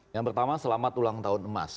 yang pertama selamat ulang tahun emas